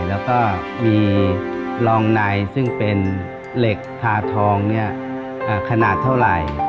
แล้วก็มีรองในซึ่งเป็นเหล็กทาทองขนาดเท่าไหร่